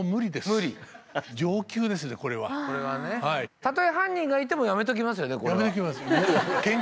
たとえ犯人がいてもやめときますよねこれは。やめときます。